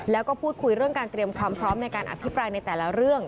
แล้วก็พูดคุยเรื่องการเตรียมความพร้อมในการอภิปรายในแต่ละเรื่อง